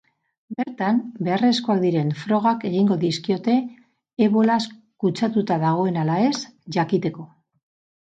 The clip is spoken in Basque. Bertan, beharrezkoak diren frogak egingo dizkiote ebolaz kutsatuta dagoen ala ez jakiteko.